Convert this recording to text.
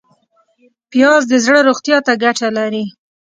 پیاز د زړه روغتیا ته ګټه لري